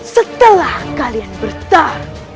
setelah kalian bertaruh